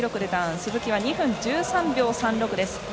鈴木は２分１３秒３６です。